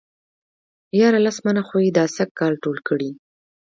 ياره لس منه خو يې دا سږ کال ټول کړي.